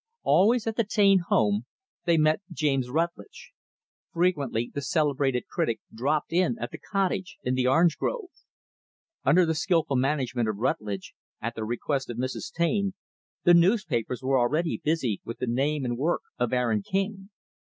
Always, at the Taine home, they met James Rutlidge. Frequently the celebrated critic dropped in at the cottage in the orange grove. Under the skillful management of Rutlidge, at the request of Mrs. Taine, the newspapers were already busy with the name and work of Aaron King.